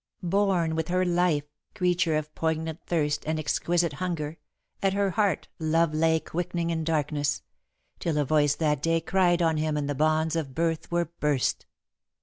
"Born with her life, creature of poignant thirst And exquisite hunger, at her heart Love lay Quickening in darkness, till a voice that day Cried on him and the bonds of birth were burst."